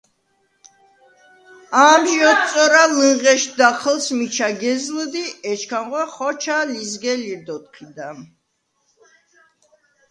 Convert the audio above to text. ამჟი ოთწორა ლჷნღეშდ დაჴჷლს მიჩა გეზლჷდ ი ეჩქანღვე ხოჩა ლიზგე-ლირდ’ ოთჴიდა.